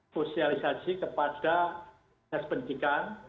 fosilisasi kepada dasar pendidikan